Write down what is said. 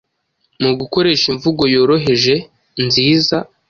Mu gukoresha imvugo yoroheje nziza,